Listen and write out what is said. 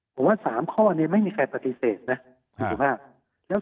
ผมว่า๓ข้อนี้ไม่มีใครปฏิเสธนะคุณสุภาพ